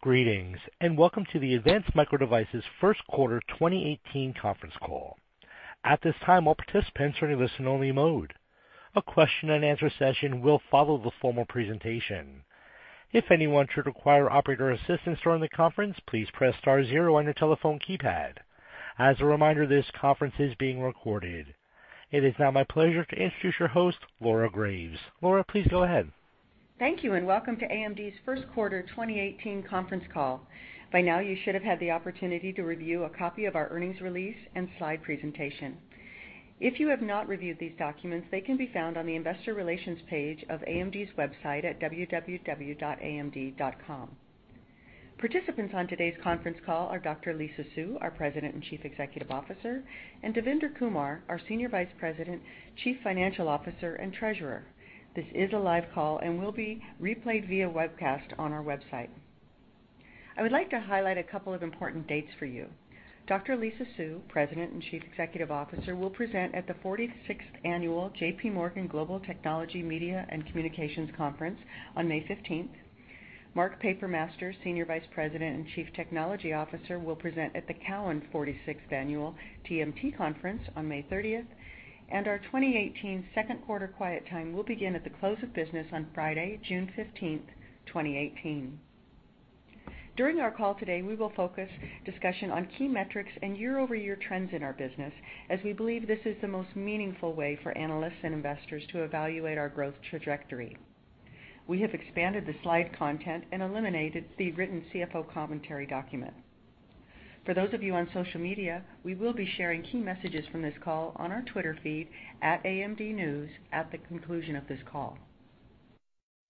Greetings, and welcome to the Advanced Micro Devices first quarter 2018 conference call. At this time, all participants are in listen-only mode. A question and answer session will follow the formal presentation. If anyone should require operator assistance during the conference, please press star zero on your telephone keypad. As a reminder, this conference is being recorded. It is now my pleasure to introduce your host, Laura Graves. Laura, please go ahead. Thank you, and welcome to AMD's first quarter 2018 conference call. By now, you should have had the opportunity to review a copy of our earnings release and slide presentation. If you have not reviewed these documents, they can be found on the investor relations page of www.amd.com. Participants on today's conference call are Dr. Lisa Su, our President and Chief Executive Officer, and Devinder Kumar, our Senior Vice President, Chief Financial Officer, and Treasurer. This is a live call and will be replayed via webcast on our website. I would like to highlight a couple of important dates for you. Dr. Lisa Su, President and Chief Executive Officer, will present at the 46th annual J.P. Morgan Global Technology, Media, and Communications Conference on May 15th. Mark Papermaster, Senior Vice President and Chief Technology Officer, will present at the Cowen 46th Annual TMT Conference on May 30th, and our 2018 second quarter quiet time will begin at the close of business on Friday, June 15th, 2018. During our call today, we will focus discussion on key metrics and year-over-year trends in our business, as we believe this is the most meaningful way for analysts and investors to evaluate our growth trajectory. We have expanded the slide content and eliminated the written CFO commentary document. For those of you on social media, we will be sharing key messages from this call on our Twitter feed, @AMDNews, at the conclusion of this call.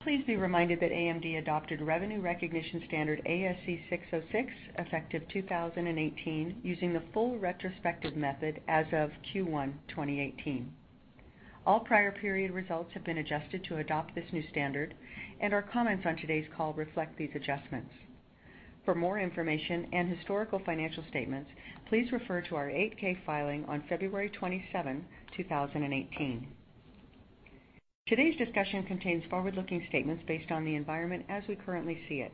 Please be reminded that AMD adopted revenue recognition standard ASC 606, effective 2018, using the full retrospective method as of Q1 2018. All prior period results have been adjusted to adopt this new standard, and our comments on today's call reflect these adjustments. For more information and historical financial statements, please refer to our Form 8-K filing on February 27, 2018. Today's discussion contains forward-looking statements based on the environment as we currently see it.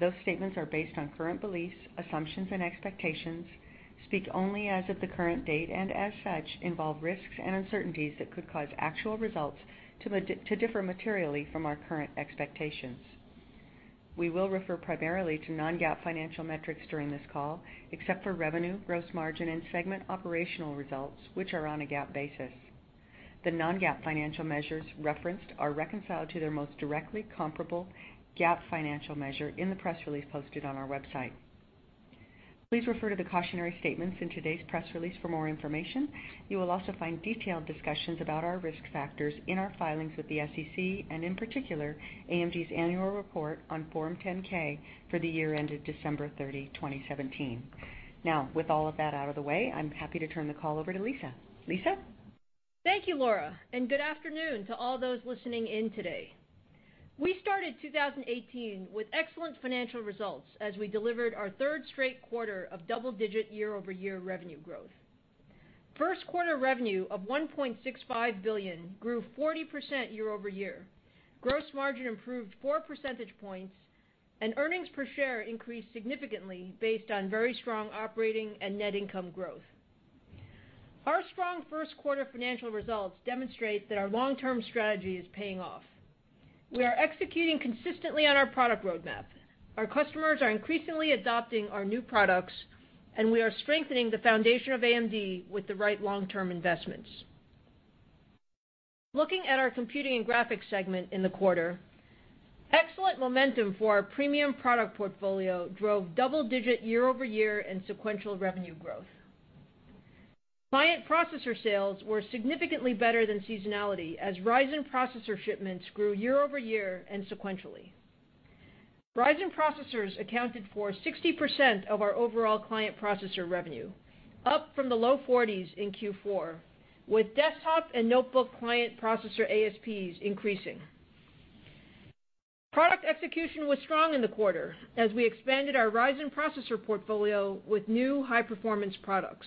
Those statements are based on current beliefs, assumptions, and expectations, speak only as of the current date, and as such, involve risks and uncertainties that could cause actual results to differ materially from our current expectations. We will refer primarily to non-GAAP financial metrics during this call, except for revenue, gross margin, and segment operational results, which are on a GAAP basis. The non-GAAP financial measures referenced are reconciled to their most directly comparable GAAP financial measure in the press release posted on our website. Please refer to the cautionary statements in today's press release for more information. You will also find detailed discussions about our risk factors in our filings with the SEC, in particular, AMD's annual report on Form 10-K for the year ended December 30, 2017. With all of that out of the way, I'm happy to turn the call over to Lisa. Lisa? Thank you, Laura. Good afternoon to all those listening in today. We started 2018 with excellent financial results as we delivered our third straight quarter of double-digit year-over-year revenue growth. First quarter revenue of $1.65 billion grew 40% year-over-year. Gross margin improved four percentage points. Earnings per share increased significantly based on very strong operating and net income growth. Our strong first quarter financial results demonstrate that our long-term strategy is paying off. We are executing consistently on our product roadmap. Our customers are increasingly adopting our new products. We are strengthening the foundation of AMD with the right long-term investments. Looking at our computing and graphics segment in the quarter, excellent momentum for our premium product portfolio drove double-digit year-over-year and sequential revenue growth. Client processor sales were significantly better than seasonality as Ryzen processor shipments grew year-over-year and sequentially. Ryzen processors accounted for 60% of our overall client processor revenue, up from the low 40s in Q4, with desktop and notebook client processor ASPs increasing. Product execution was strong in the quarter as we expanded our Ryzen processor portfolio with new high-performance products.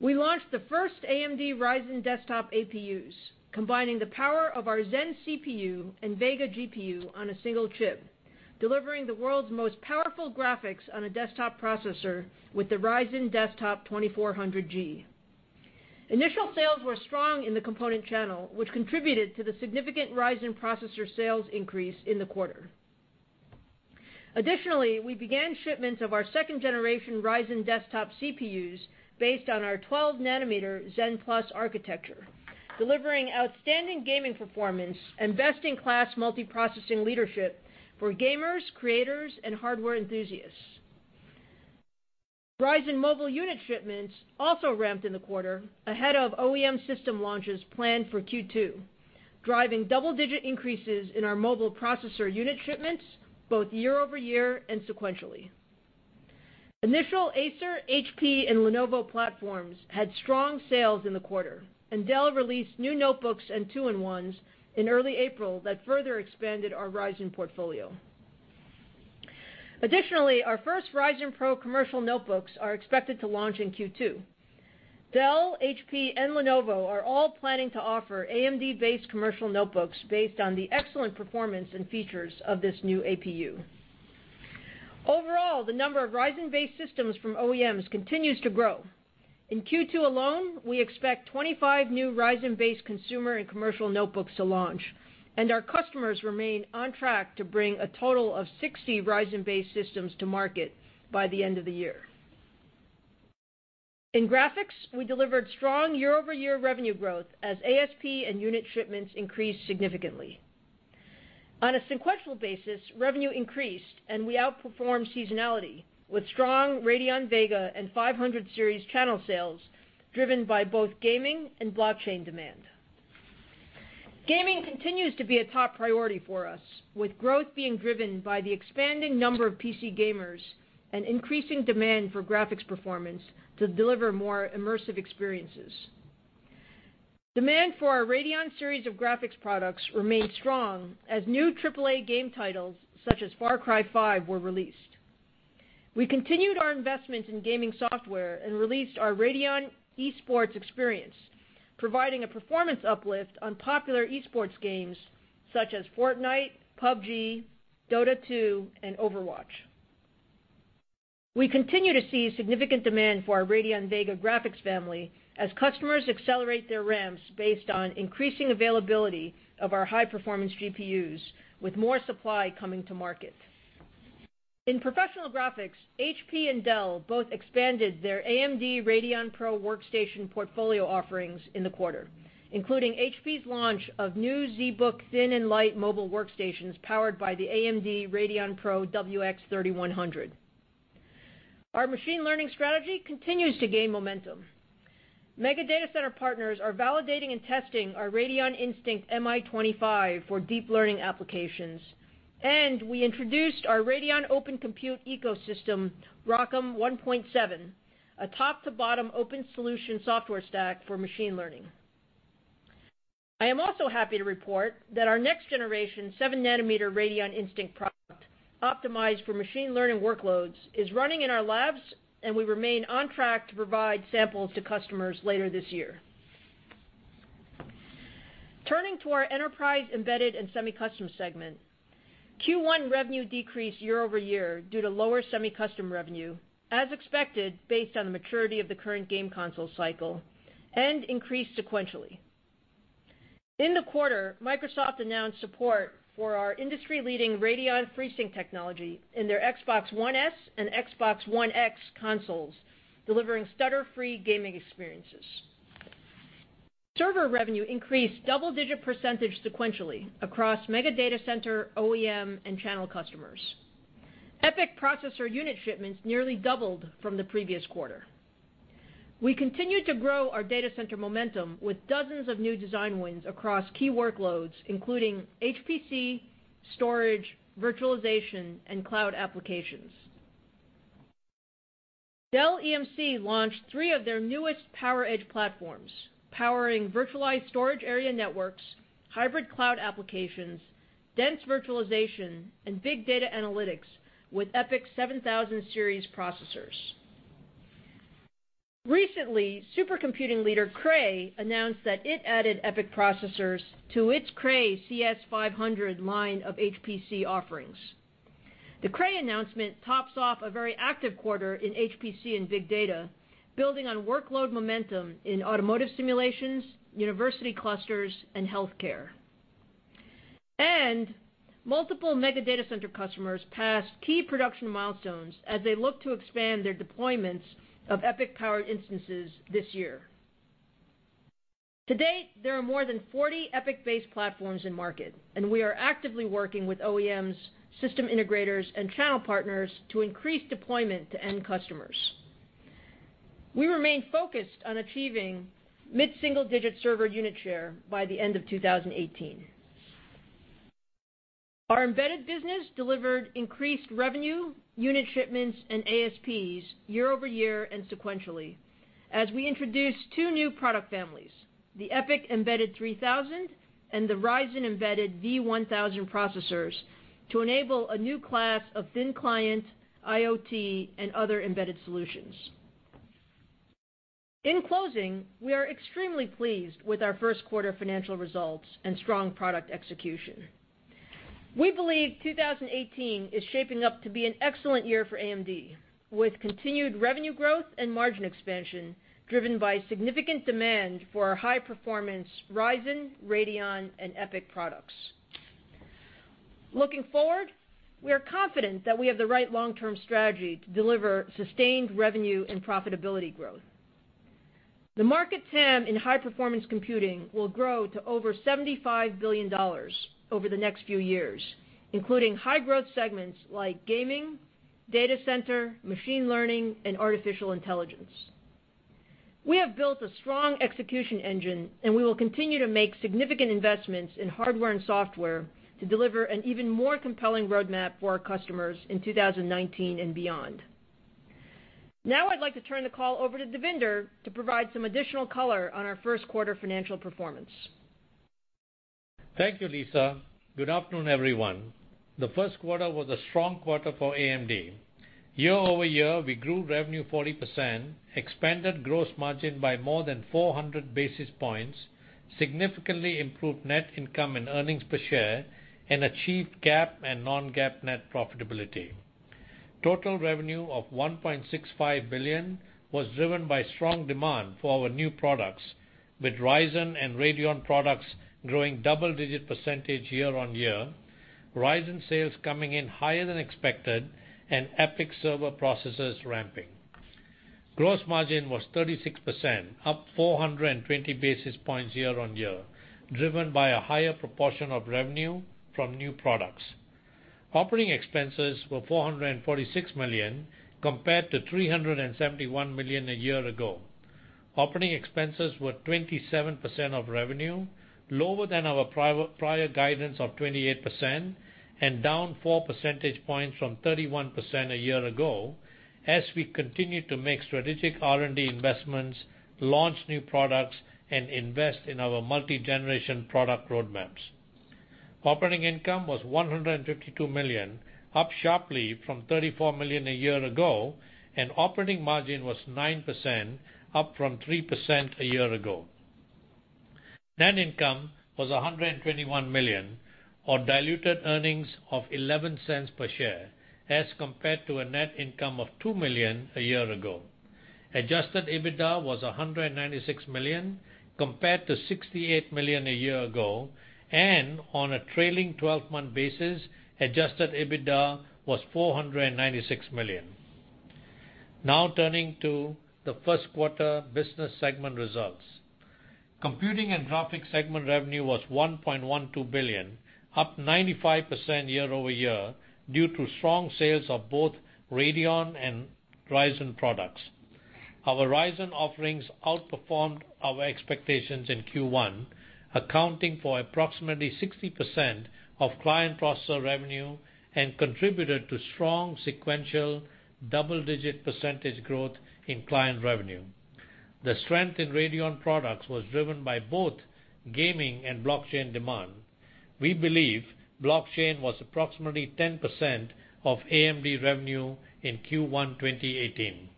We launched the first AMD Ryzen desktop APUs, combining the power of our Zen CPU and Vega GPU on a single chip, delivering the world's most powerful graphics on a desktop processor with the Ryzen Desktop 2400G. Initial sales were strong in the component channel, which contributed to the significant rise in processor sales increase in the quarter. We began shipments of our second-generation Ryzen desktop CPUs based on our 12 nanometer Zen+ architecture, delivering outstanding gaming performance and best-in-class multiprocessing leadership for gamers, creators, and hardware enthusiasts. Ryzen mobile unit shipments also ramped in the quarter ahead of OEM system launches planned for Q2, driving double-digit increases in our mobile processor unit shipments both year-over-year and sequentially. Initial Acer, HP, and Lenovo platforms had strong sales in the quarter. Dell released new notebooks and two-in-ones in early April that further expanded our Ryzen portfolio. Our first Ryzen PRO commercial notebooks are expected to launch in Q2. Dell, HP, and Lenovo are all planning to offer AMD-based commercial notebooks based on the excellent performance and features of this new APU. The number of Ryzen-based systems from OEMs continues to grow. In Q2 alone, we expect 25 new Ryzen-based consumer and commercial notebooks to launch. Our customers remain on track to bring a total of 60 Ryzen-based systems to market by the end of the year. In graphics, we delivered strong year-over-year revenue growth as ASP and unit shipments increased significantly. On a sequential basis, revenue increased, and we outperformed seasonality with strong Radeon Vega and 500 series channel sales driven by both gaming and blockchain demand. Gaming continues to be a top priority for us, with growth being driven by the expanding number of PC gamers and increasing demand for graphics performance to deliver more immersive experiences. Demand for our Radeon series of graphics products remained strong as new AAA game titles such as "Far Cry 5" were released. We continued our investment in gaming software and released our Radeon Esports Experience, providing a performance uplift on popular esports games such as "Fortnite," "PUBG," "Dota 2," and "Overwatch." We continue to see significant demand for our Radeon Vega graphics family as customers accelerate their ramps based on increasing availability of our high-performance GPUs with more supply coming to market. In professional graphics, HP and Dell both expanded their AMD Radeon PRO Workstation portfolio offerings in the quarter, including HP's launch of new ZBook Thin and Light mobile workstations powered by the AMD Radeon PRO WX 3100. Our machine learning strategy continues to gain momentum. Mega data center partners are validating and testing our Radeon Instinct MI25 for deep learning applications. We introduced our Radeon Open Compute Ecosystem, ROCm 1.7, a top-to-bottom open solution software stack for machine learning. I am also happy to report that our next generation seven nanometer Radeon Instinct product, optimized for machine learning workloads, is running in our labs, and we remain on track to provide samples to customers later this year. Turning to our enterprise embedded and semi-custom segment. Q1 revenue decreased year-over-year due to lower semi-custom revenue, as expected based on the maturity of the current game console cycle and increased sequentially. In the quarter, Microsoft announced support for our industry-leading Radeon FreeSync technology in their Xbox One S and Xbox One X consoles, delivering stutter-free gaming experiences. Server revenue increased double-digit percentage sequentially across mega data center, OEM, and channel customers. EPYC processor unit shipments nearly doubled from the previous quarter. We continued to grow our data center momentum with dozens of new design wins across key workloads, including HPC, storage, virtualization, and cloud applications. Dell EMC launched three of their newest PowerEdge platforms, powering virtualized storage area networks, hybrid cloud applications, dense virtualization, and big data analytics with EPYC 7000 series processors. Recently, supercomputing leader Cray announced that it added EPYC processors to its Cray CS500 line of HPC offerings. The Cray announcement tops off a very active quarter in HPC and big data, building on workload momentum in automotive simulations, university clusters, and healthcare. Multiple mega data center customers passed key production milestones as they look to expand their deployments of EPYC-powered instances this year. To date, there are more than 40 EPYC-based platforms in market, and we are actively working with OEMs, system integrators, and channel partners to increase deployment to end customers. We remain focused on achieving mid-single-digit server unit share by the end of 2018. Our embedded business delivered increased revenue, unit shipments, and ASPs year-over-year and sequentially as we introduced two new product families, the EPYC Embedded 3000 and the Ryzen Embedded V1000 processors, to enable a new class of thin client, IoT, and other embedded solutions. In closing, we are extremely pleased with our first quarter financial results and strong product execution. We believe 2018 is shaping up to be an excellent year for AMD, with continued revenue growth and margin expansion driven by significant demand for our high-performance Ryzen, Radeon, and EPYC products. Looking forward, we are confident that we have the right long-term strategy to deliver sustained revenue and profitability growth. The market TAM in high-performance computing will grow to over $75 billion over the next few years, including high-growth segments like gaming, data center, machine learning, and artificial intelligence. We have built a strong execution engine, we will continue to make significant investments in hardware and software to deliver an even more compelling roadmap for our customers in 2019 and beyond. Now I'd like to turn the call over to Devinder to provide some additional color on our first quarter financial performance. Thank you, Lisa. Good afternoon, everyone. The first quarter was a strong quarter for AMD. Year-over-year, we grew revenue 40%, expanded gross margin by more than 400 basis points, significantly improved net income and earnings per share, and achieved GAAP and non-GAAP net profitability. Total revenue of $1.65 billion was driven by strong demand for our new products, with Ryzen and Radeon products growing double-digit percentage year-over-year, Ryzen sales coming in higher than expected, and EPYC server processors ramping. Gross margin was 36%, up 420 basis points year-over-year, driven by a higher proportion of revenue from new products. Operating expenses were $446 million, compared to $371 million a year ago. Operating expenses were 27% of revenue, lower than our prior guidance of 28%, and down four percentage points from 31% a year ago, as we continued to make strategic R&D investments, launch new products, and invest in our multi-generation product roadmaps. Operating income was $152 million, up sharply from $34 million a year ago, and operating margin was 9%, up from 3% a year ago. Net income was $121 million, or diluted earnings of $0.11 per share, as compared to a net income of $2 million a year ago. Adjusted EBITDA was $196 million, compared to $68 million a year ago, and on a trailing 12-month basis, adjusted EBITDA was $496 million. Now turning to the first quarter business segment results. Computing and Graphics segment revenue was $1.12 billion, up 95% year-over-year, due to strong sales of both Radeon and Ryzen products. Our Ryzen offerings outperformed our expectations in Q1, accounting for approximately 60% of client processor revenue and contributed to strong sequential double-digit percentage growth in client revenue. The strength in Radeon products was driven by both gaming and blockchain demand. We believe blockchain was approximately 10% of AMD revenue in Q1 2018.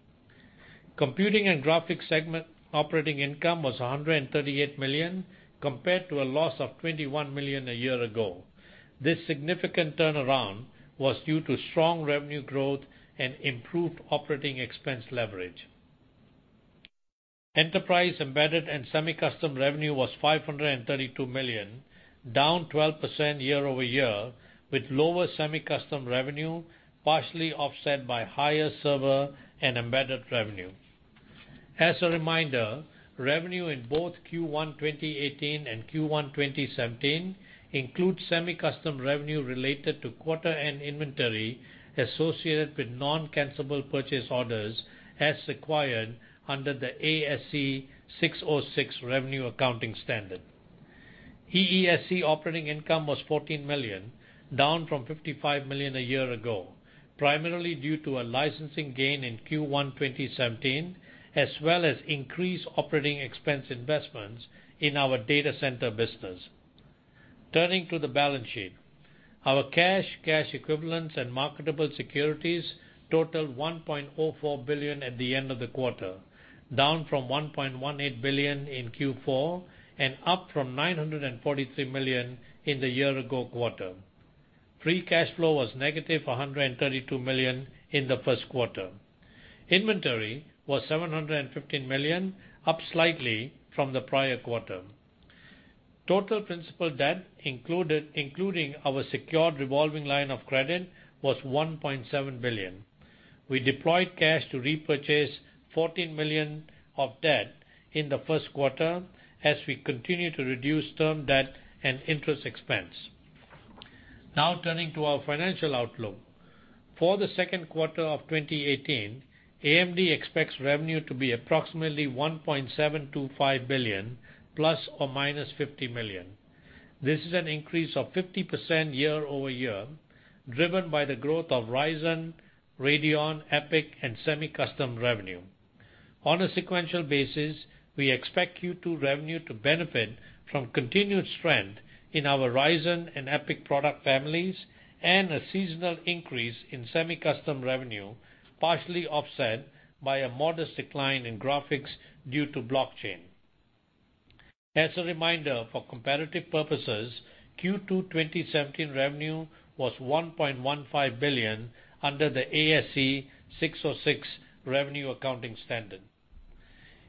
Computing and Graphics segment operating income was $138 million, compared to a loss of $21 million a year ago. This significant turnaround was due to strong revenue growth and improved operating expense leverage. Enterprise, Embedded, and Semi-Custom revenue was $532 million, down 12% year-over-year, with lower semi-custom revenue partially offset by higher server and embedded revenue. As a reminder, revenue in both Q1 2018 and Q1 2017 include semi-custom revenue related to quarter end inventory associated with non-cancelable purchase orders as acquired under the ASC 606 revenue accounting standard. EESC operating income was $14 million, down from $55 million a year ago, primarily due to a licensing gain in Q1 2017, as well as increased operating expense investments in our data center business. Turning to the balance sheet. Our cash equivalents, and marketable securities totaled $1.04 billion at the end of the quarter, down from $1.18 billion in Q4 and up from $943 million in the year-ago quarter. Free cash flow was - $132 million in the first quarter. Inventory was $715 million, up slightly from the prior quarter. Total principal debt, including our secured revolving line of credit, was $1.7 billion. We deployed cash to repurchase $14 million of debt in the first quarter as we continued to reduce term debt and interest expense. Turning to our financial outlook. For the second quarter of 2018, AMD expects revenue to be approximately $1.725 billion, ±$50 million. This is an increase of 50% year-over-year, driven by the growth of Ryzen, Radeon, EPYC, and semi-custom revenue. On a sequential basis, we expect Q2 revenue to benefit from continued strength in our Ryzen and EPYC product families and a seasonal increase in semi-custom revenue, partially offset by a modest decline in graphics due to blockchain. As a reminder, for comparative purposes, Q2 2017 revenue was $1.15 billion under the ASC 606 revenue accounting standard.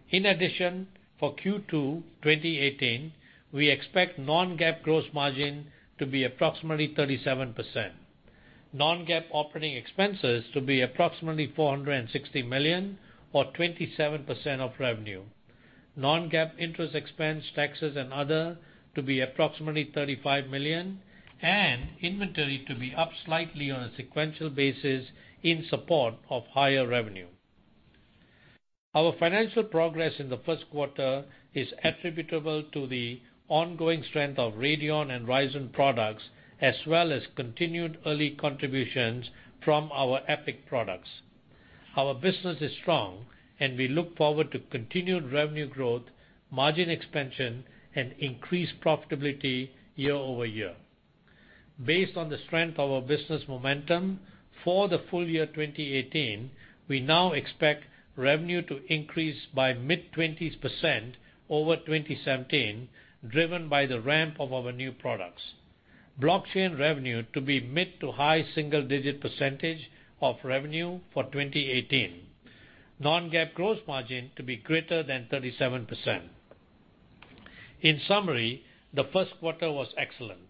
In addition, for Q2 2018, we expect non-GAAP gross margin to be approximately 37%, non-GAAP operating expenses to be approximately $460 million or 27% of revenue, non-GAAP interest expense, taxes, and other to be approximately $35 million, and inventory to be up slightly on a sequential basis in support of higher revenue. Our financial progress in the first quarter is attributable to the ongoing strength of Radeon and Ryzen products, as well as continued early contributions from our EPYC products. Our business is strong. We look forward to continued revenue growth, margin expansion, and increased profitability year-over-year. Based on the strength of our business momentum for the full year 2018, we now expect revenue to increase by mid-20% over 2017, driven by the ramp of our new products. Blockchain revenue to be mid to high single-digit percentage of revenue for 2018. Non-GAAP gross margin to be greater than 37%. In summary, the first quarter was excellent.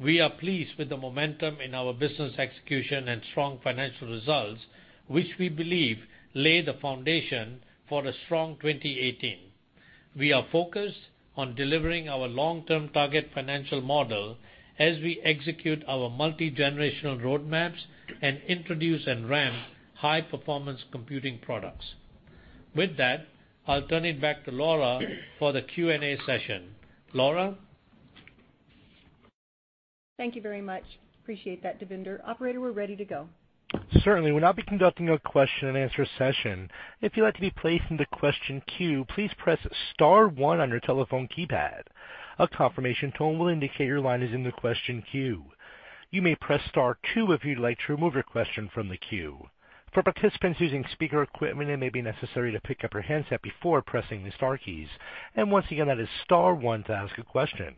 We are pleased with the momentum in our business execution and strong financial results, which we believe lay the foundation for a strong 2018. We are focused on delivering our long-term target financial model as we execute our multi-generational roadmaps and introduce and ramp high-performance computing products. With that, I'll turn it back to Laura for the Q&A session. Laura? Thank you very much. Appreciate that, Devinder. Operator, we're ready to go. Certainly. We'll now be conducting a question and answer session. If you'd like to be placed into question queue, please press star one on your telephone keypad. A confirmation tone will indicate your line is in the question queue. You may press star two if you'd like to remove your question from the queue. For participants using speaker equipment, it may be necessary to pick up your handset before pressing the star keys. Once again, that is star one to ask a question.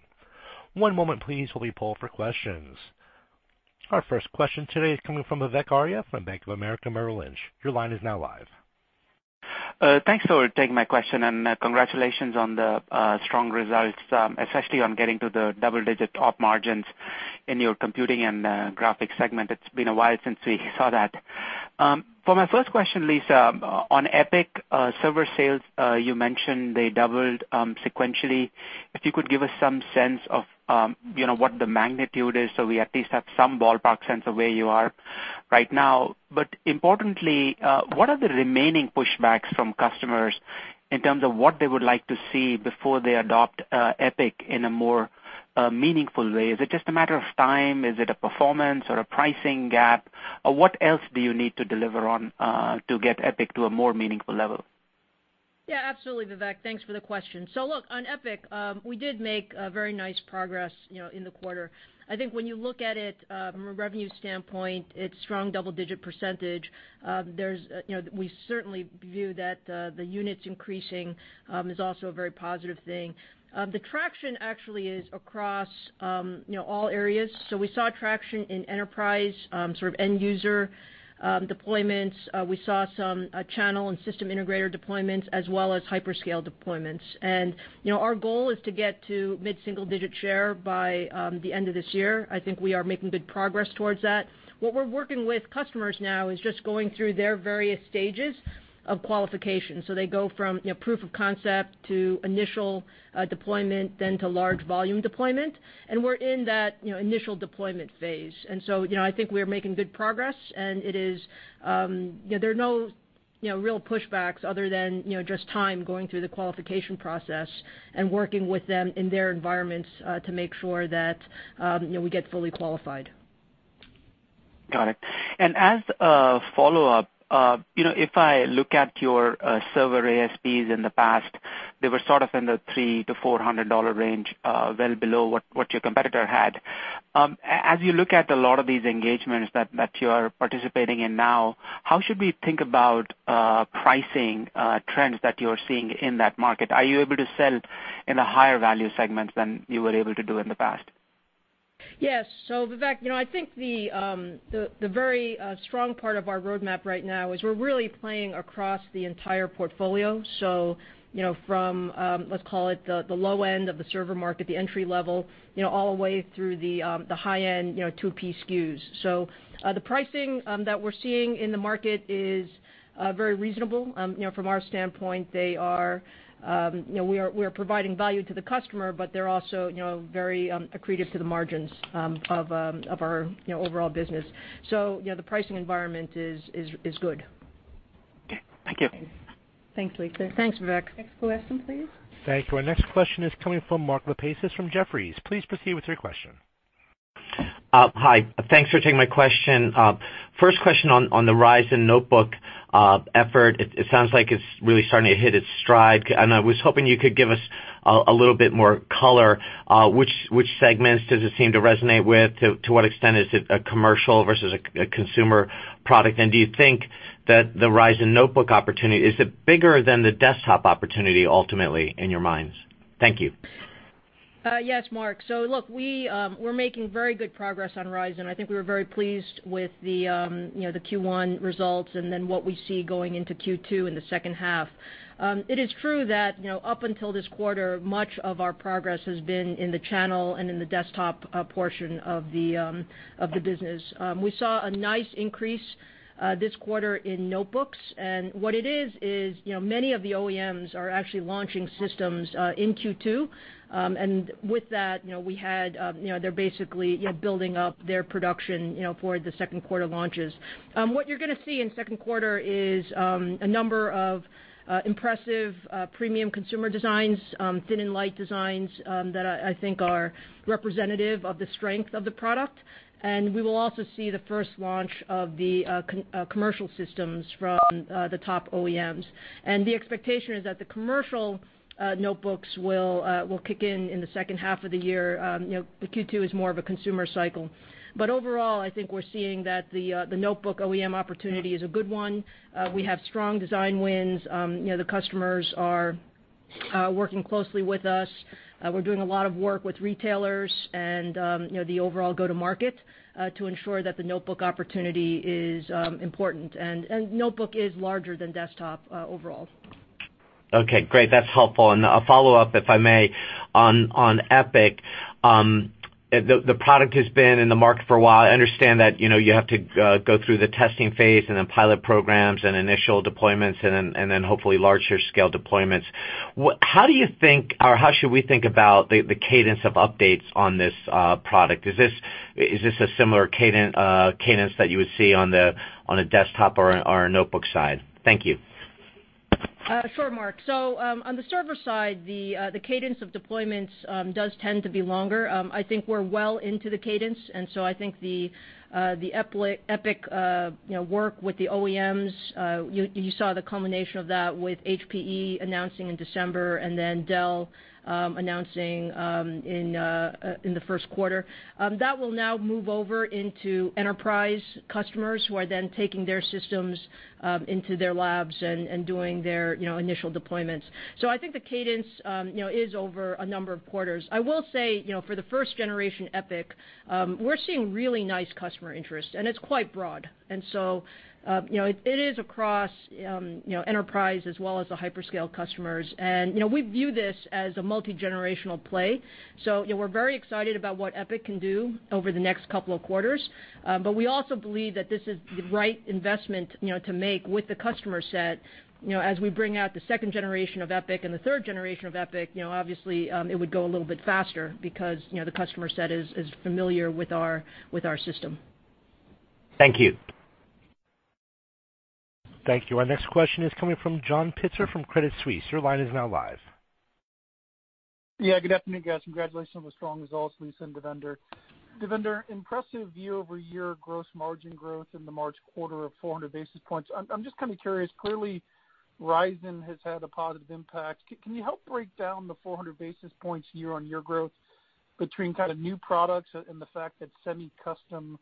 One moment please while we poll for questions. Our first question today is coming from Vivek Arya from Bank of America Merrill Lynch. Your line is now live. Thanks for taking my question and congratulations on the strong results, especially on getting to the double-digit op margins in your computing and graphics segment. It's been a while since we saw that. For my first question, Lisa, on EPYC server sales you mentioned they doubled sequentially. If you could give us some sense of what the magnitude is so we at least have some ballpark sense of where you are right now. Importantly, what are the remaining pushbacks from customers in terms of what they would like to see before they adopt EPYC in a more meaningful way? Is it just a matter of time? Is it a performance or a pricing gap? What else do you need to deliver on to get EPYC to a more meaningful level? Absolutely, Vivek. Thanks for the question. Look, on EPYC, we did make very nice progress in the quarter. I think when you look at it from a revenue standpoint, it's strong double-digit percentage. We certainly view that the units increasing is also a very positive thing. The traction actually is across all areas. We saw traction in enterprise, sort of end user deployments. We saw some channel and system integrator deployments as well as hyperscale deployments. Our goal is to get to mid-single digit share by the end of this year. I think we are making good progress towards that. What we're working with customers now is just going through their various stages of qualification. They go from proof of concept to initial deployment, then to large volume deployment. We're in that initial deployment phase. I think we are making good progress, and there are no real pushbacks other than just time, going through the qualification process and working with them in their environments to make sure that we get fully qualified. Got it. As a follow-up, if I look at your server ASPs in the past, they were sort of in the $300-$400 range, well below what your competitor had. As you look at a lot of these engagements that you're participating in now, how should we think about pricing trends that you're seeing in that market? Are you able to sell in the higher value segments than you were able to do in the past? Yes. Vivek, I think the very strong part of our roadmap right now is we're really playing across the entire portfolio. From, let's call it the low end of the server market, the entry level, all the way through the high end 2P SKUs. The pricing that we're seeing in the market is very reasonable. From our standpoint, we are providing value to the customer, but they're also very accretive to the margins of our overall business. The pricing environment is good. Okay. Thank you. Thanks, Lisa. Thanks, Vivek. Next question, please. Thank you. Our next question is coming from Mark Lipacis from Jefferies. Please proceed with your question. Hi. Thanks for taking my question. First question on the Ryzen notebook effort, it sounds like it's really starting to hit its stride. I was hoping you could give us a little bit more color. Which segments does it seem to resonate with? To what extent is it a commercial versus a consumer product? Do you think that the Ryzen notebook opportunity, is it bigger than the desktop opportunity ultimately in your minds? Thank you. Yes, Mark. Look, we're making very good progress on Ryzen. I think we were very pleased with the Q1 results and then what we see going into Q2 in the second half. It is true that up until this quarter, much of our progress has been in the channel and in the desktop portion of the business. We saw a nice increase this quarter in notebooks. What it is many of the OEMs are actually launching systems in Q2. With that, they're basically building up their production for the second quarter launches. What you're going to see in second quarter is a number of impressive premium consumer designs, thin and light designs, that I think are representative of the strength of the product And we will also see the first launch of the commercial systems from the top OEMs. The expectation is that the commercial notebooks will kick in the second half of the year. The Q2 is more of a consumer cycle. Overall, I think we're seeing that the notebook OEM opportunity is a good one. We have strong design wins. The customers are working closely with us. We're doing a lot of work with retailers and the overall go-to-market, to ensure that the notebook opportunity is important. Notebook is larger than desktop, overall. Okay, great. That's helpful. A follow-up, if I may, on EPYC. The product has been in the market for a while. I understand that you have to go through the testing phase then pilot programs and initial deployments, then hopefully larger scale deployments. How should we think about the cadence of updates on this product? Is this a similar cadence that you would see on a desktop or a notebook side? Thank you. Sure, Mark. On the server side, the cadence of deployments does tend to be longer. I think we're well into the cadence, I think the EPYC work with the OEMs, you saw the culmination of that with HPE announcing in December, then Dell announcing in the first quarter. That will now move over into enterprise customers who are then taking their systems into their labs and doing their initial deployments. I think the cadence is over a number of quarters. I will say, for the first generation EPYC, we're seeing really nice customer interest, and it's quite broad. It is across enterprise as well as the hyperscale customers. We view this as a multigenerational play. We're very excited about what EPYC can do over the next couple of quarters. We also believe that this is the right investment to make with the customer set. As we bring out the second generation of EPYC and the third generation of EPYC, obviously, it would go a little bit faster because the customer set is familiar with our system. Thank you. Thank you. Our next question is coming from John Pitzer from Credit Suisse. Your line is now live. Yeah. Good afternoon, guys. Congratulations on the strong results, Lisa and Devinder. Devinder, impressive year-over-year gross margin growth in the March quarter of 400 basis points. I'm just kind of curious, clearly Ryzen has had a positive impact. Can you help break down the 400 basis points year-on-year growth between kind of new products and the fact that semi-custom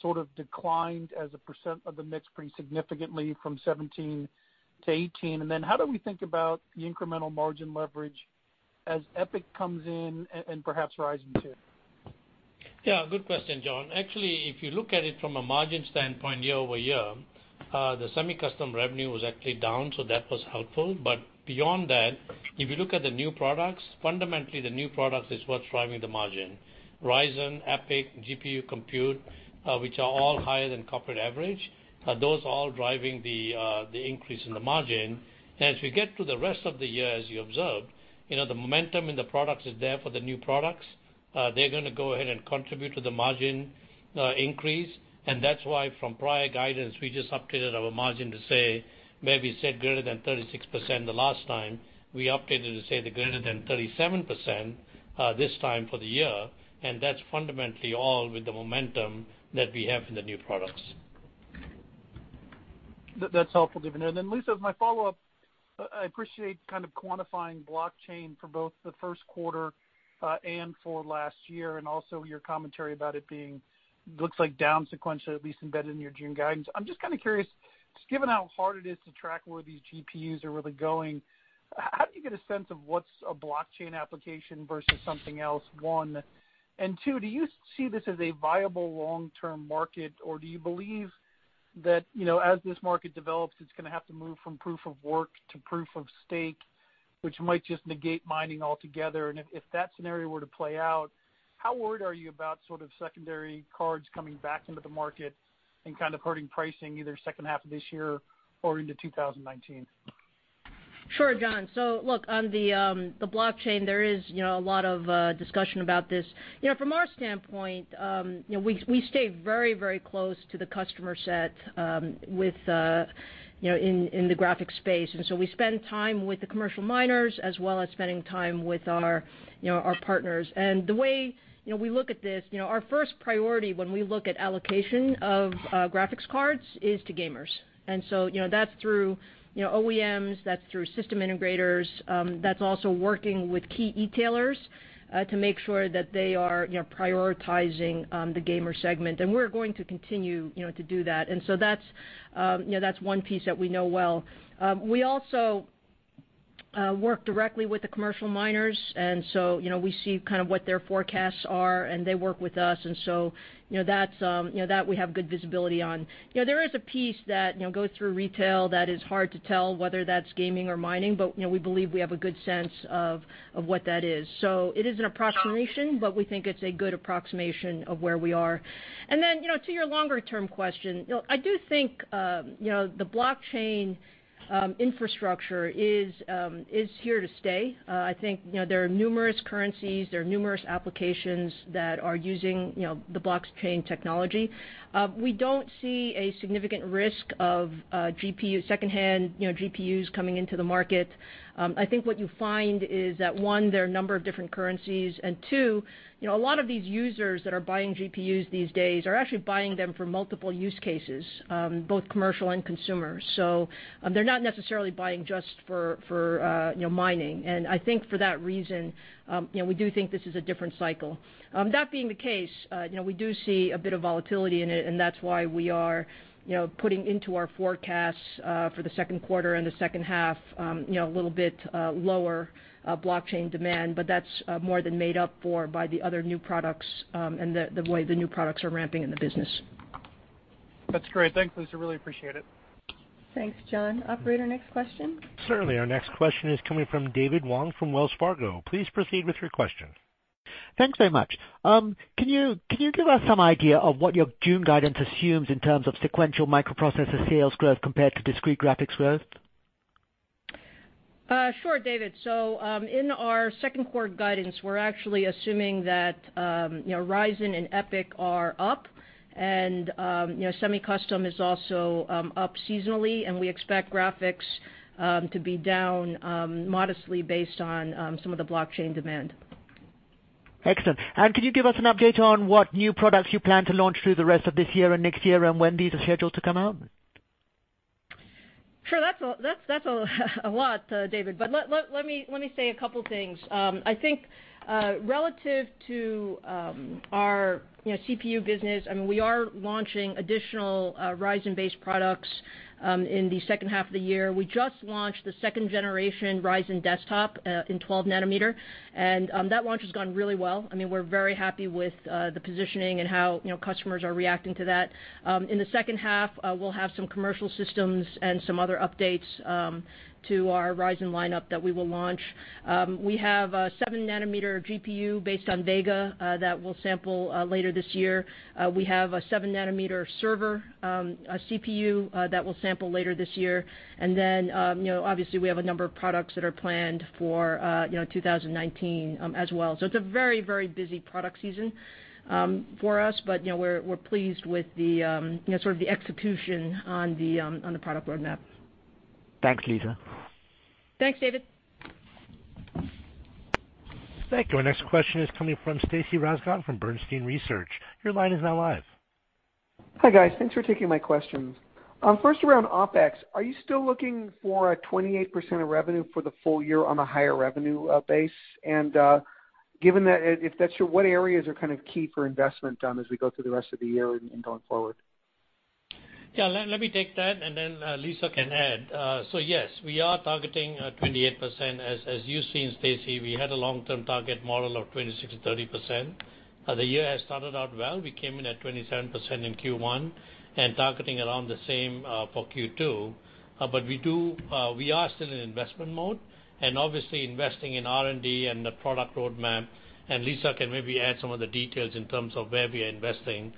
sort of declined as a percent of the mix pretty significantly from 2017 to 2018? How do we think about the incremental margin leverage as EPYC comes in and perhaps Ryzen too? Yeah, good question, John. Actually, if you look at it from a margin standpoint year-over-year, the semi-custom revenue was actually down, so that was helpful. Beyond that, if you look at the new products, fundamentally the new products is what's driving the margin. Ryzen, EPYC, GPU Compute, which are all higher than corporate average, those are all driving the increase in the margin. As we get to the rest of the year, as you observed, the momentum in the products is there for the new products. They're going to go ahead and contribute to the margin increase, that's why from prior guidance, we just updated our margin to say, maybe we said greater than 36% the last time, we updated to say the greater than 37% this time for the year, and that's fundamentally all with the momentum that we have in the new products. That's helpful, Devinder. Lisa, as my follow-up, I appreciate kind of quantifying blockchain for both the first quarter, and for last year, and also your commentary about it being, looks like down sequential, at least embedded in your June guidance. I'm just kind of curious, just given how hard it is to track where these GPUs are really going, how do you get a sense of what's a blockchain application versus something else, one? Two, do you see this as a viable long-term market, or do you believe that as this market develops, it's going to have to move from proof of work to proof of stake, which might just negate mining altogether? If that scenario were to play out, how worried are you about sort of secondary cards coming back into the market and kind of hurting pricing either second half of this year or into 2019? Sure, John. On the blockchain, there is a lot of discussion about this. From our standpoint, we stay very close to the customer set in the graphics space. We spend time with the commercial miners as well as spending time with our partners. The way we look at this, our first priority when we look at allocation of graphics cards is to gamers. That's through OEMs, that's through system integrators, that's also working with key e-tailers, to make sure that they are prioritizing the gamer segment. We're going to continue to do that. That's one piece that we know well. We also work directly with the commercial miners, we see kind of what their forecasts are, and they work with us, so that we have good visibility on. There is a piece that goes through retail that is hard to tell whether that's gaming or mining, but we believe we have a good sense of what that is. It is an approximation, but we think it's a good approximation of where we are. To your longer-term question, I do think the blockchain infrastructure is here to stay. I think there are numerous currencies, there are numerous applications that are using the blockchain technology. We don't see a significant risk of secondhand GPUs coming into the market. I think what you find is that, one, there are a number of different currencies, and two, a lot of these users that are buying GPUs these days are actually buying them for multiple use cases, both commercial and consumer. They're not necessarily buying just for mining. I think for that reason, we do think this is a different cycle. That being the case, we do see a bit of volatility in it, and that's why we are putting into our forecasts for the second quarter and the second half, a little bit lower blockchain demand, but that's more than made up for by the other new products, and the way the new products are ramping in the business. That's great. Thanks, Lisa. Really appreciate it. Thanks, John. Operator, next question. Certainly. Our next question is coming from David Wong from Wells Fargo. Please proceed with your question. Thanks very much. Can you give us some idea of what your June guidance assumes in terms of sequential microprocessor sales growth compared to discrete graphics growth? Sure, David. In our second quarter guidance, we're actually assuming that Ryzen and EPYC are up, and semi-custom is also up seasonally, and we expect graphics to be down modestly based on some of the blockchain demand. Excellent. Could you give us an update on what new products you plan to launch through the rest of this year and next year, and when these are scheduled to come out? Sure. That's a lot, David, but let me say a couple things. I think relative to our CPU business, we are launching additional Ryzen-based products in the second half of the year. We just launched the second generation Ryzen desktop in 12 nanometer, and that launch has gone really well. We're very happy with the positioning and how customers are reacting to that. In the second half, we'll have some commercial systems and some other updates to our Ryzen lineup that we will launch. We have a seven nanometer GPU based on Vega that we'll sample later this year. We have a seven nanometer server CPU that we'll sample later this year. Obviously, we have a number of products that are planned for 2019 as well. It's a very busy product season for us, but we're pleased with the sort of the execution on the product roadmap. Thanks, Lisa. Thanks, David. Thank you. Our next question is coming from Stacy Rasgon from Bernstein Research. Your line is now live. Hi, guys. Thanks for taking my questions. First, around OpEx, are you still looking for a 28% of revenue for the full year on a higher revenue base? Given that, if that's true, what areas are key for investment as we go through the rest of the year and going forward? Let me take that and then Lisa can add. Yes, we are targeting 28%. As you've seen, Stacy, we had a long-term target model of 26%-30%. The year has started out well. We came in at 27% in Q1 and targeting around the same for Q2. We are still in investment mode and obviously investing in R&D and the product roadmap, and Lisa can maybe add some of the details in terms of where we are investing,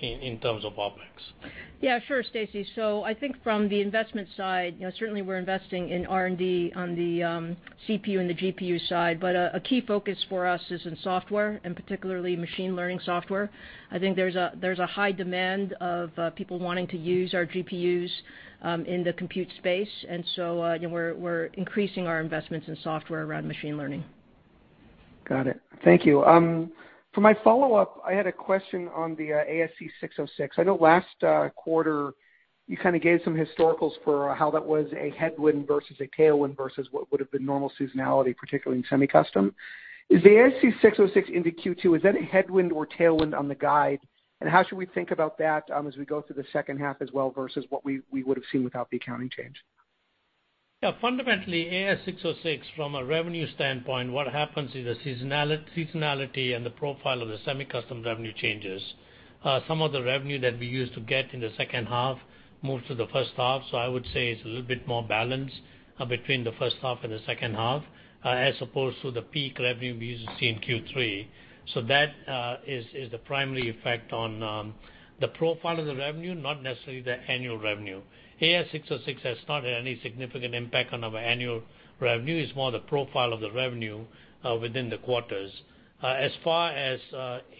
in terms of OpEx. Yeah, sure, Stacy. I think from the investment side, certainly we're investing in R&D on the CPU and the GPU side, but a key focus for us is in software, particularly machine learning software. I think there's a high demand of people wanting to use our GPUs in the compute space, we're increasing our investments in software around machine learning. Got it. Thank you. For my follow-up, I had a question on the ASC 606. I know last quarter you gave some historicals for how that was a headwind versus a tailwind versus what would have been normal seasonality, particularly in semi-custom. Is the ASC 606 into Q2, is that a headwind or tailwind on the guide? How should we think about that as we go through the second half as well, versus what we would've seen without the accounting change? Yeah, fundamentally, ASC 606 from a revenue standpoint, what happens is the seasonality and the profile of the semi-custom revenue changes. Some of the revenue that we used to get in the second half moves to the first half. I would say it's a little bit more balanced between the first half and the second half, as opposed to the peak revenue we used to see in Q3. That is the primary effect on the profile of the revenue, not necessarily the annual revenue. ASC 606 has not had any significant impact on our annual revenue. It's more the profile of the revenue within the quarters. As far as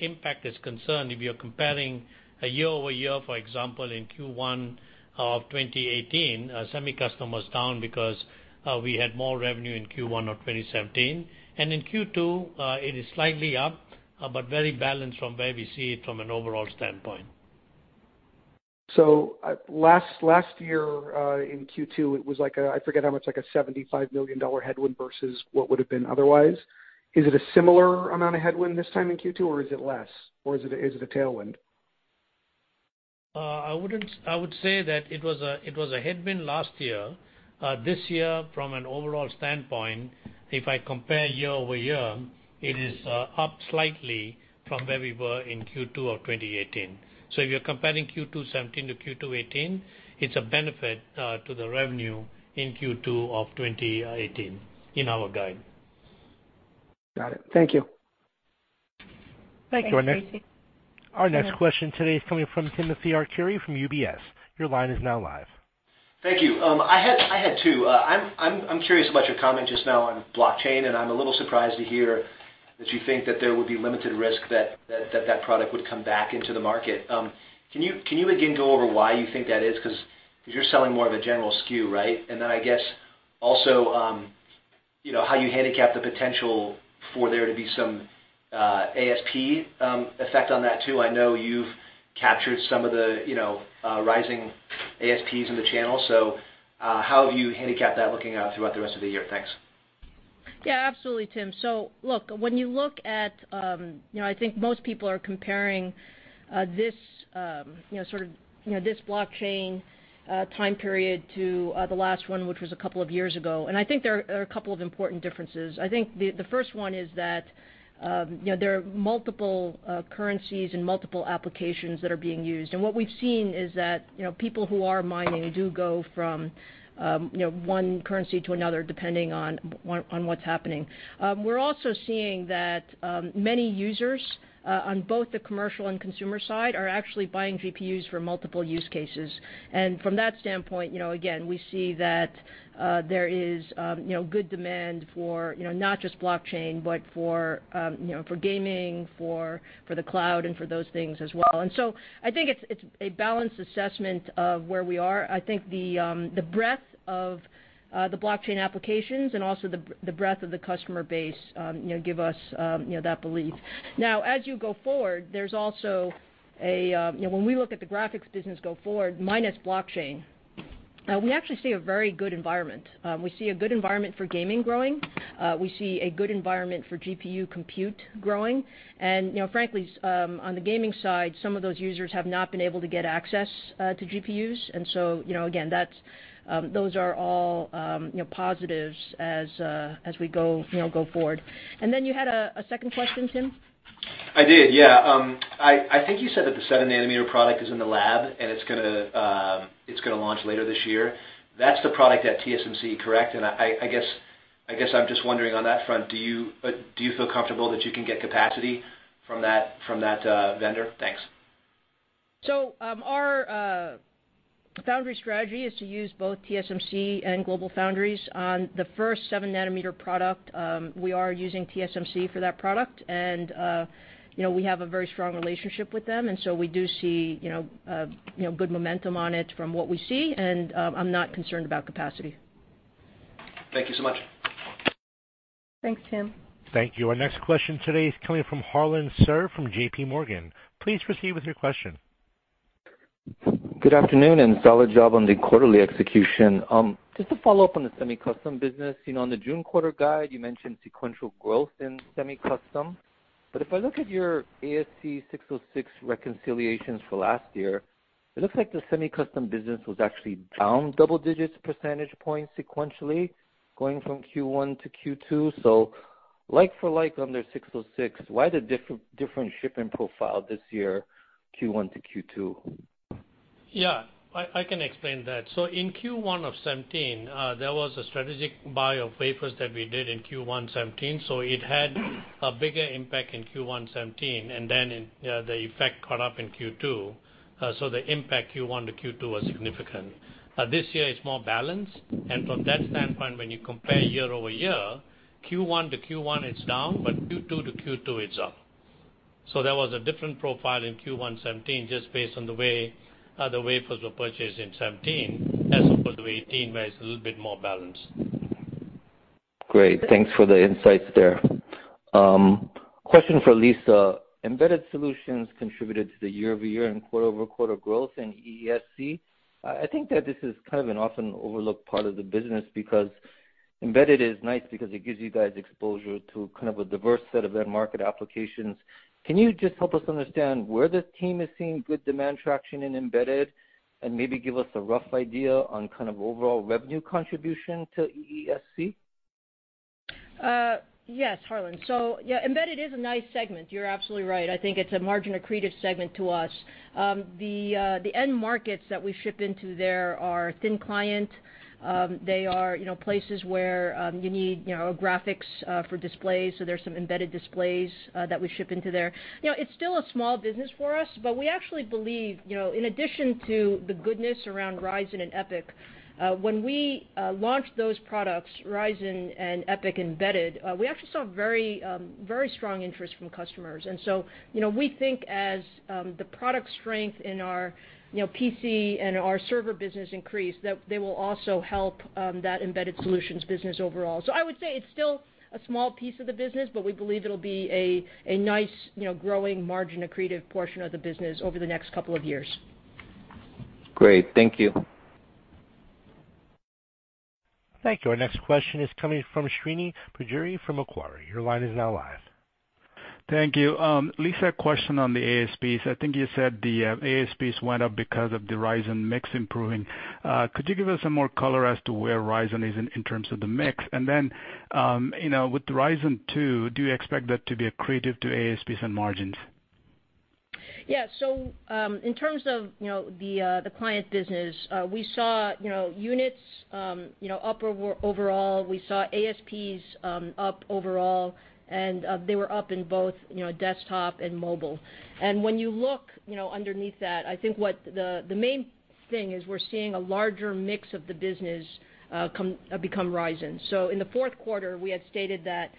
impact is concerned, if you're comparing a year-over-year, for example, in Q1 of 2018, semi-custom was down because we had more revenue in Q1 of 2017. In Q2, it is slightly up, but very balanced from where we see it from an overall standpoint. Last year, in Q2, it was a $75 million headwind versus what would've been otherwise. Is it a similar amount of headwind this time in Q2 or is it less or is it a tailwind? I would say that it was a headwind last year. This year, from an overall standpoint, if I compare year-over-year, it is up slightly from where we were in Q2 of 2018. If you're comparing Q2 2017 to Q2 2018, it's a benefit to the revenue in Q2 of 2018 in our guide. Got it. Thank you. Thank you, Stacy. Our next question today is coming from Timothy Arcuri from UBS. Your line is now live. Thank you. I had two. I'm curious about your comment just now on blockchain. I'm a little surprised to hear that you think that there would be limited risk that product would come back into the market. Can you again go over why you think that is? Because you're selling more of a general SKU, right? I guess also, how you handicap the potential for there to be some ASP effect on that too. I know you've captured some of the rising ASPs in the channel. How have you handicapped that looking out throughout the rest of the year? Thanks. Yeah, absolutely, Tim. When you look at, I think most people are comparing this blockchain time period to the last one, which was a couple of years ago. I think there are a couple of important differences. I think the first one is that there are multiple currencies and multiple applications that are being used. What we've seen is that people who are mining do go from one currency to another depending on what's happening. We're also seeing that many users on both the commercial and consumer side are actually buying GPUs for multiple use cases. From that standpoint, again, we see that there is good demand for not just blockchain, but for gaming, for the cloud, and for those things as well. I think it's a balanced assessment of where we are. I think the breadth of the blockchain applications and also the breadth of the customer base give us that belief. Now, as you go forward, when we look at the graphics business go forward, minus blockchain, we actually see a very good environment. We see a good environment for gaming growing. We see a good environment for GPU compute growing. Frankly, on the gaming side, some of those users have not been able to get access to GPUs. Again, those are all positives as we go forward. You had a second question, Tim? I did, yeah. I think you said that the seven nanometer product is in the lab, and it's going to launch later this year. That's the product at TSMC, correct? I guess I'm just wondering on that front, do you feel comfortable that you can get capacity from that vendor? Thanks. Our foundry strategy is to use both TSMC and GlobalFoundries. On the first seven nanometer product, we are using TSMC for that product. We have a very strong relationship with them, and so we do see good momentum on it from what we see, and I'm not concerned about capacity. Thank you so much. Thanks, Tim. Thank you. Our next question today is coming from Harlan Sur from J.P. Morgan. Please proceed with your question. Good afternoon. Solid job on the quarterly execution. To follow up on the semi-custom business. On the June quarter guide, you mentioned sequential growth in semi-custom. If I look at your ASC 606 reconciliations for last year, it looks like the semi-custom business was actually down double-digit percentage points sequentially going from Q1 to Q2. Like for like under 606, why the different shipping profile this year, Q1 to Q2? I can explain that. In Q1 of 2017, there was a strategic buy of wafers that we did in Q1 2017. It had a bigger impact in Q1 2017, then the effect caught up in Q2. The impact Q1 to Q2 was significant. This year it's more balanced. From that standpoint, when you compare year-over-year, Q1 to Q1 it's down, Q2 to Q2 it's up. There was a different profile in Q1 2017 just based on the way the wafers were purchased in 2017 as opposed to 2018, where it's a little bit more balanced. Great. Thanks for the insights there. Question for Lisa. Embedded Solutions contributed to the year-over-year and quarter-over-quarter growth in EESC. I think that this is kind of an often overlooked part of the business because embedded is nice because it gives you guys exposure to kind of a diverse set of end market applications. Can you help us understand where the team is seeing good demand traction in embedded, and maybe give us a rough idea on kind of overall revenue contribution to EESC? Yes, Harlan. Embedded is a nice segment. You're absolutely right. I think it's a margin accretive segment to us. The end markets that we ship into there are thin client. They are places where you need graphics for displays, there's some embedded displays that we ship into there. It's still a small business for us, but we actually believe in addition to the goodness around Ryzen and EPYC, when we launched those products, Ryzen and EPYC embedded, we actually saw very strong interest from customers. We think as the product strength in our PC and our server business increase, that they will also help that Embedded Solutions business overall. I would say it's still a small piece of the business, but we believe it'll be a nice growing margin accretive portion of the business over the next couple of years. Great. Thank you. Thank you. Our next question is coming from Srini Pajjuri from Macquarie. Your line is now live. Thank you. Lisa, question on the ASPs. I think you said the ASPs went up because of the Ryzen mix improving. Could you give us some more color as to where Ryzen is in terms of the mix? Then, with the Ryzen 2, do you expect that to be accretive to ASPs and margins? Yeah. In terms of the client business, we saw units up overall, we saw ASPs up overall, and they were up in both desktop and mobile. When you look underneath that, I think the main thing is we're seeing a larger mix of the business become Ryzen. In the fourth quarter, we had stated that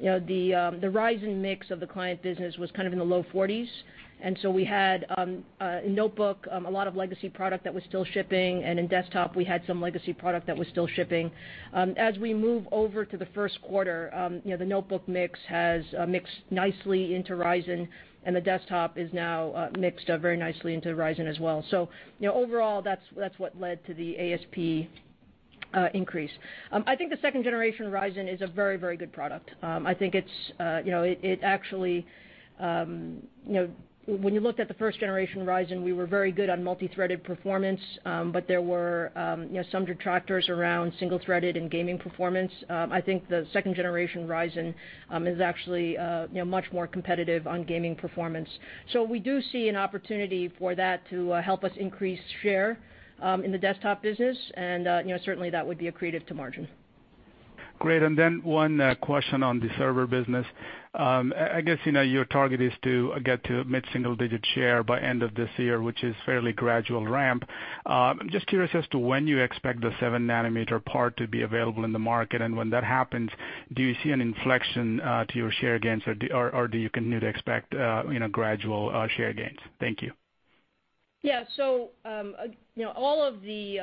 the Ryzen mix of the client business was kind of in the low 40s. We had a notebook, a lot of legacy product that was still shipping, and in desktop, we had some legacy product that was still shipping. As we move over to the first quarter, the notebook mix has mixed nicely into Ryzen, and the desktop is now mixed very nicely into Ryzen as well. Overall that's what led to the ASP increase. I think the second generation Ryzen is a very good product. When you looked at the first generation Ryzen, we were very good on multi-threaded performance, but there were some detractors around single-threaded and gaming performance. I think the second generation Ryzen is actually much more competitive on gaming performance. We do see an opportunity for that to help us increase share in the desktop business, and certainly, that would be accretive to margin. Great, one question on the server business. I guess your target is to get to mid-single digit share by end of this year, which is fairly gradual ramp. I'm just curious as to when you expect the 7 nanometer part to be available in the market, and when that happens, do you see an inflection to your share gains or do you continue to expect gradual share gains? Thank you. All of the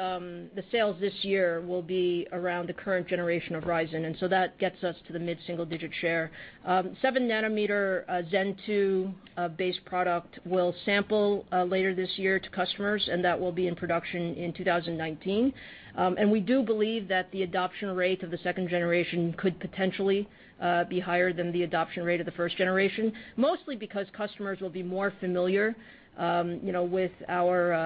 sales this year will be around the current generation of Ryzen, and that gets us to the mid-single digit share. 7 nanometer Zen 2 base product will sample later this year to customers, and that will be in production in 2019. We do believe that the adoption rate of the second generation could potentially be higher than the adoption rate of the first generation, mostly because customers will be more familiar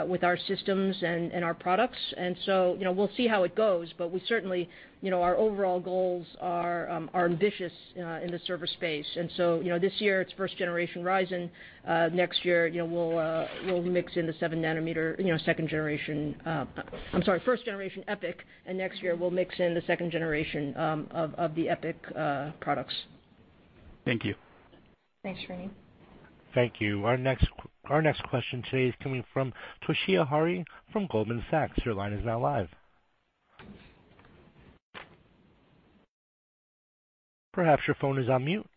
with our systems and our products. We'll see how it goes, but certainly, our overall goals are ambitious in the server space. This year, it's first generation Ryzen. We'll mix in the 7 nanometer, I'm sorry, first generation EPYC, and next year, we'll mix in the second generation of the EPYC products. Thank you. Thanks, Srini. Thank you. Our next question today is coming from Toshiya Hari from Goldman Sachs. Your line is now live. Perhaps your phone is on mute.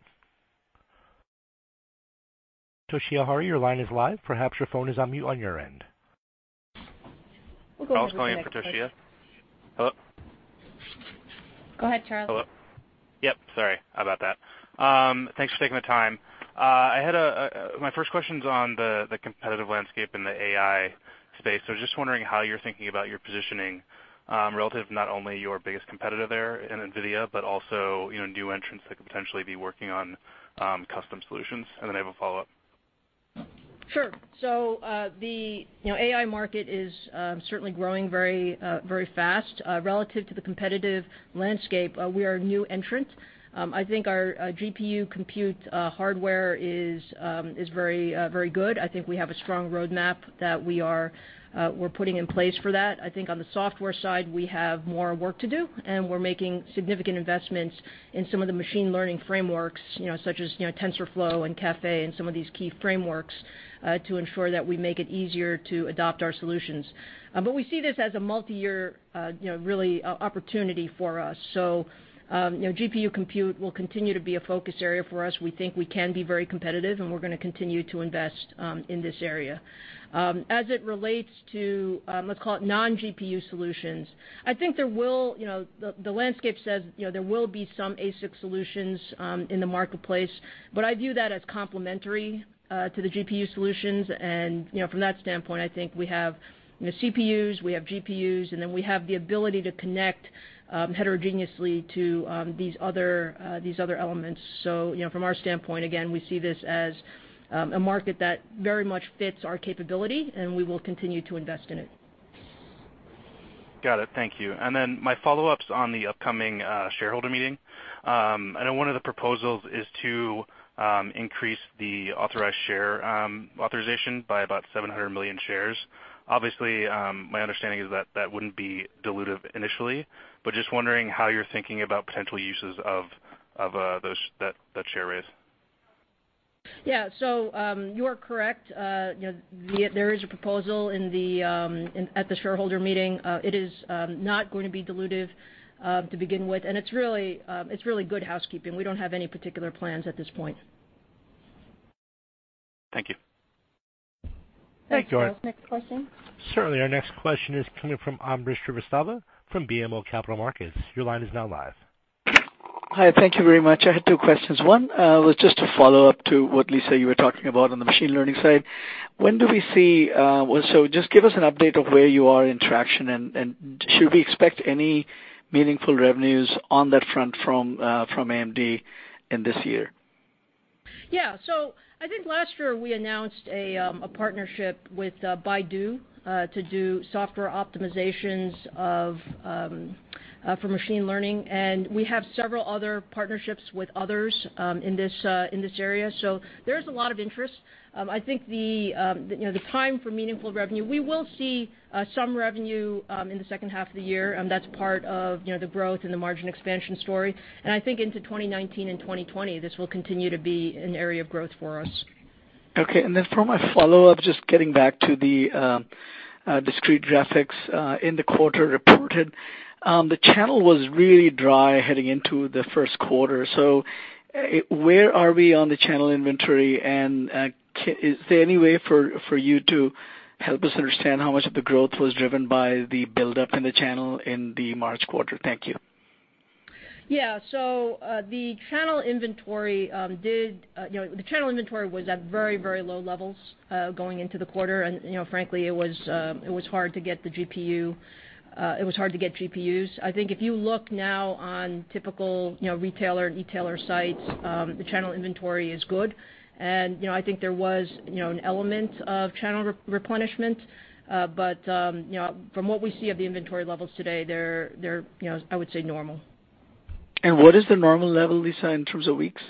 Toshiya Hari, your line is live. Perhaps your phone is on mute on your end. We'll go to the next person. Charles Lin for Toshiya. Hello? Go ahead, Charles. Hello? Yep, sorry about that. Thanks for taking the time. My first question's on the competitive landscape in the AI space. Just wondering how you're thinking about your positioning, relative to not only your biggest competitor there in Nvidia, but also new entrants that could potentially be working on custom solutions, and then I have a follow-up. Sure. The AI market is certainly growing very fast. Relative to the competitive landscape, we are a new entrant. I think our GPU compute hardware is very good. I think we have a strong roadmap that we're putting in place for that. I think on the software side, we have more work to do, and we're making significant investments in some of the machine learning frameworks such as TensorFlow and Caffe and some of these key frameworks, to ensure that we make it easier to adopt our solutions. We see this as a multi-year really opportunity for us. GPU compute will continue to be a focus area for us. We think we can be very competitive, and we're going to continue to invest in this area. As it relates to, let's call it non-GPU solutions, I think the landscape says there will be some ASIC solutions in the marketplace, but I view that as complementary to the GPU solutions, and from that standpoint, I think we have CPUs, we have GPUs, and then we have the ability to connect heterogeneously to these other elements. From our standpoint, again, we see this as a market that very much fits our capability, and we will continue to invest in it. Got it. Thank you. My follow-up's on the upcoming shareholder meeting. I know one of the proposals is to increase the authorized share authorization by about 700 million shares. Obviously, my understanding is that that wouldn't be dilutive initially, but just wondering how you're thinking about potential uses of that share raise. You are correct. There is a proposal at the shareholder meeting. It is not going to be dilutive to begin with, and it's really good housekeeping. We don't have any particular plans at this point. Thank you. Thanks, Charles. Next question. Certainly. Our next question is coming from Ambrish Srivastava from BMO Capital Markets. Your line is now live. Hi, thank you very much. I had two questions. One was just to follow up to what, Lisa, you were talking about on the machine learning side. Just give us an update of where you are in traction, and should we expect any meaningful revenues on that front from AMD in this year? I think last year we announced a partnership with Baidu to do software optimizations for machine learning. We have several other partnerships with others in this area. There is a lot of interest. I think the time for meaningful revenue, we will see some revenue in the second half of the year, and that's part of the growth and the margin expansion story. I think into 2019 and 2020, this will continue to be an area of growth for us. Okay, for my follow-up, just getting back to the discrete graphics in the quarter reported. The channel was really dry heading into the first quarter. Where are we on the channel inventory, and is there any way for you to help us understand how much of the growth was driven by the buildup in the channel in the March quarter? Thank you. The channel inventory was at very low levels, going into the quarter. Frankly, it was hard to get GPUs. I think if you look now on typical retailer sites, the channel inventory is good. I think there was an element of channel replenishment. From what we see of the inventory levels today, they're, I would say normal. What is the normal level, Lisa, in terms of weeks?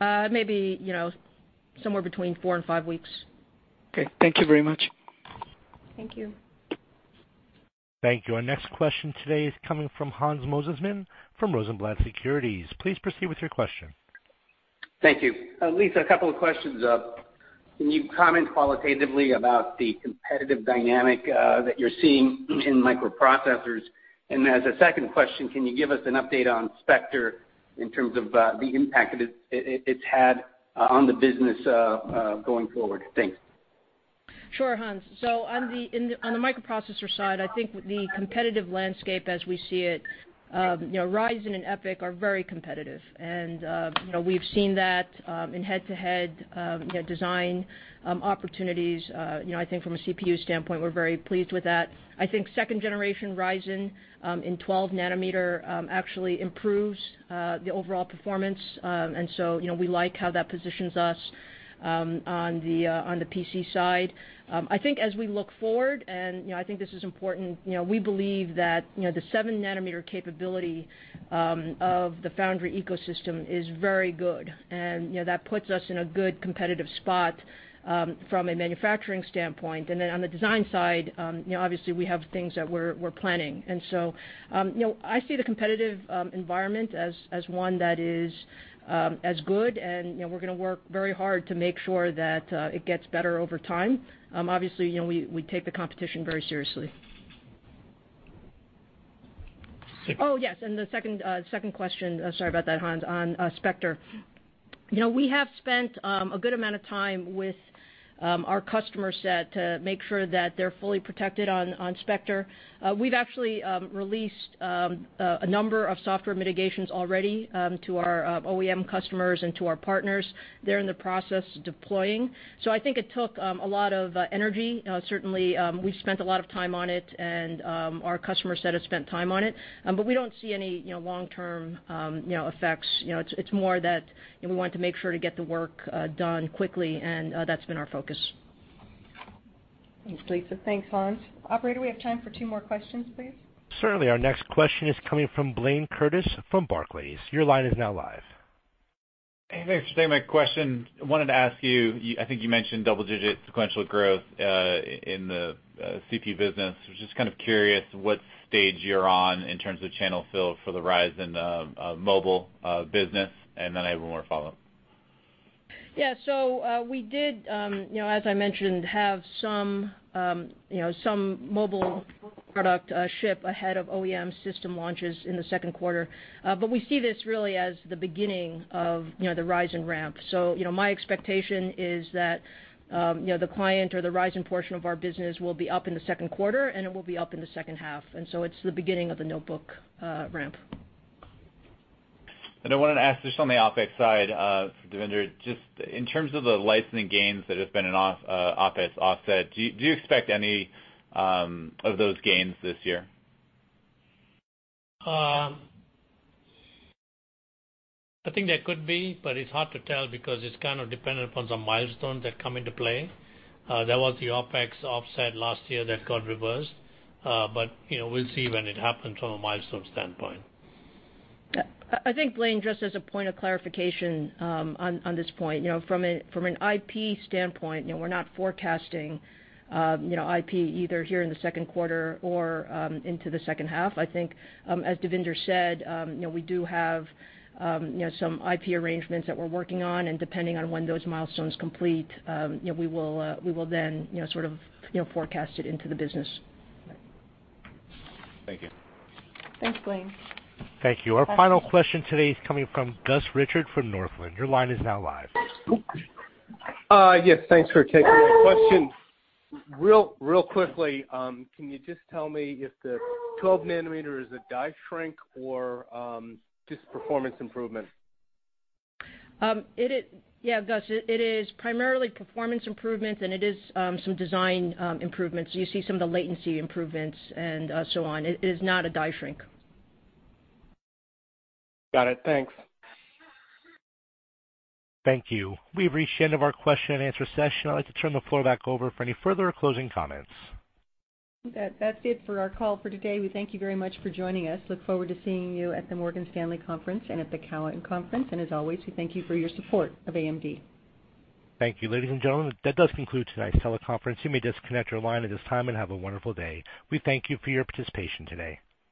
Maybe, somewhere between four and five weeks. Okay. Thank you very much. Thank you. Thank you. Our next question today is coming from Hans Mosesmann from Rosenblatt Securities. Please proceed with your question. Thank you. Lisa, a couple of questions. Can you comment qualitatively about the competitive dynamic that you're seeing in microprocessors? As a second question, can you give us an update on Spectre in terms of the impact it's had on the business going forward? Thanks. Sure, Hans. On the microprocessor side, I think the competitive landscape as we see it, Ryzen and EPYC are very competitive. We've seen that in head-to-head design opportunities. I think from a CPU standpoint, we're very pleased with that. I think second generation Ryzen in 12 nanometer actually improves the overall performance, and so we like how that positions us on the PC side. I think as we look forward, and I think this is important, we believe that the seven nanometer capability of the foundry ecosystem is very good. That puts us in a good competitive spot from a manufacturing standpoint. Then on the design side, obviously, we have things that we're planning. I see the competitive environment as one that is as good, and we're going to work very hard to make sure that it gets better over time. Obviously, we take the competition very seriously. Thank you. The second question, sorry about that, Hans, on Spectre. We have spent a good amount of time with our customer set to make sure that they're fully protected on Spectre. We've actually released a number of software mitigations already to our OEM customers and to our partners. They're in the process of deploying. I think it took a lot of energy. Certainly, we've spent a lot of time on it, and our customer set has spent time on it. We don't see any long-term effects. It's more that we want to make sure to get the work done quickly, and that's been our focus. Thanks, Lisa. Thanks, Hans. Operator, we have time for two more questions, please. Certainly. Our next question is coming from Blayne Curtis from Barclays. Your line is now live. Hey, thanks for taking my question. I wanted to ask you, I think you mentioned double-digit sequential growth in the CPU business. I was just kind of curious what stage you're on in terms of channel fill for the Ryzen in the mobile business, I have one more follow-up. Yeah. We did, as I mentioned, have some mobile product ship ahead of OEM system launches in the second quarter. We see this really as the beginning of the Ryzen ramp. My expectation is that the client or the Ryzen portion of our business will be up in the second quarter, and it will be up in the second half. It's the beginning of the notebook ramp. I wanted to ask just on the OpEx side, Devinder, just in terms of the licensing gains that have been an OpEx offset, do you expect any of those gains this year? I think there could be, but it's hard to tell because it's kind of dependent upon some milestones that come into play. There was the OpEx offset last year that got reversed, but we'll see when it happens from a milestone standpoint. I think, Blayne, just as a point of clarification on this point. From an IP standpoint, we're not forecasting IP either here in the second quarter or into the second half. I think, as Devinder said, we do have some IP arrangements that we're working on, and depending on when those milestones complete, we will then sort of forecast it into the business. Thank you. Thanks, Blayne. Thank you. Our final question today is coming from Gus Richard from Northland. Your line is now live. Yes, thanks for taking my question. Real quickly, can you just tell me if the 12 nanometer is a die shrink or just performance improvement? Yeah, Gus, it is primarily performance improvements, and it is some design improvements. You see some of the latency improvements and so on. It is not a die shrink. Got it. Thanks. Thank you. We've reached the end of our question and answer session. I'd like to turn the floor back over for any further closing comments. That's it for our call for today. We thank you very much for joining us. Look forward to seeing you at the Morgan Stanley conference and at the Cowen conference. As always, we thank you for your support of AMD. Thank you. Ladies and gentlemen, that does conclude tonight's teleconference. You may disconnect your line at this time, and have a wonderful day. We thank you for your participation today.